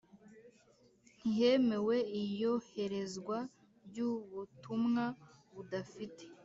Ntihemewe iyoherezwa ry ubutumwa budafite